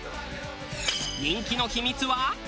人気の秘密は。